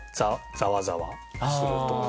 ざわざわするとか。